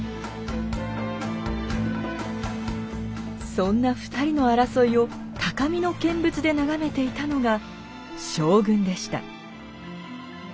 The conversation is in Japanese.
そんな２人の争いを高みの見物で眺めていたのが将軍でした。